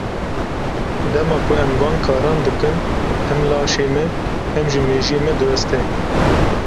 Dema ku em van karan dikin, hem laşê me, hem jî mejiyê me diweste.